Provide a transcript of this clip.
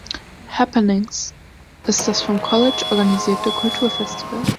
„Happenings“ ist das vom College organisierte Kulturfestival.